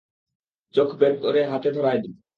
চোখ বের করে হাতে ধরায় দিবো।